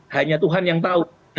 hanya tuhan yang tahu